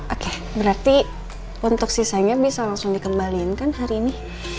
oke berarti untuk sisanya bisa langsung dikembalikan kan hari ini